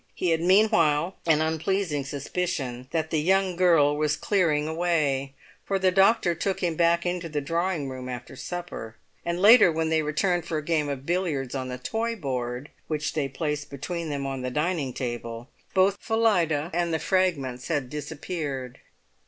He had meanwhile an unpleasing suspicion that the young girl was clearing away, for the doctor took him back into the drawing room after supper; and later, when they returned for a game of billiards on the toy board, which they placed between them on the dining table, both Phillida and the fragments had disappeared.